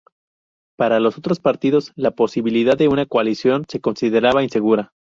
Para los otros partidos, la posibilidad de una coalición se consideraba insegura.